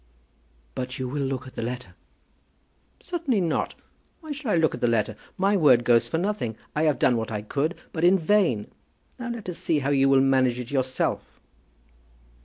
"But you will look at the letter?" "Certainly not. Why should I look at the letter? My word goes for nothing. I have done what I could, but in vain. Now let us see how you will manage it yourself."